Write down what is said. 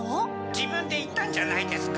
自分で言ったんじゃないですか。